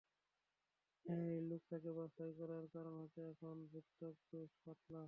হ্যাঁ, এই লোকেশনটা বাছাই করার কারণ হচ্ছে এখানে ভূত্বক বেশ পাতলা।